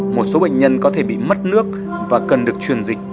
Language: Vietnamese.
một số bệnh nhân có thể bị mất nước và cần được truyền dịch